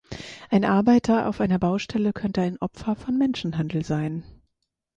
Ein Arbeiter auf einer Baustelle könnte ein Opfer von Menschenhandel sein.